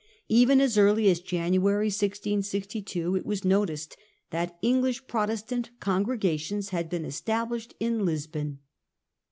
Even as early as January 1662 it was noticed that English Protestant congregations had been established in Lisbon.